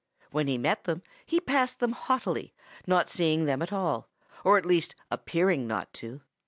When he met them he passed them haughtily, not seeing them at all, or at least appearing not to.